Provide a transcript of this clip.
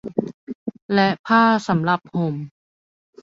และผ้าสำหรับห่ม